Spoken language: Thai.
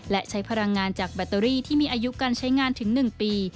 และใช้พลังงานจากแบตเตอรี่ที่มีอายุการใช้งานถึง๑ปี